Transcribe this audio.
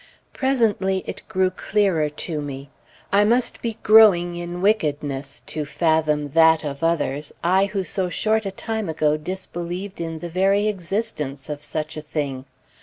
Presently it grew clearer to me. I must be growing in wickedness, to fathom that of others, I who so short a time ago disbelieved in the very existence of such a thing.